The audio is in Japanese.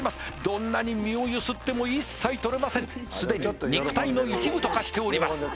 どんなに身をゆすっても一切取れませんすでに肉体の一部と化しております